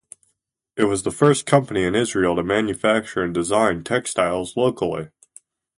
It was the first company in Israel to manufacture and design textiles locally.